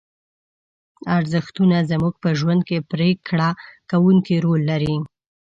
ارزښتونه زموږ په ژوند کې پرېکړه کوونکی رول لري.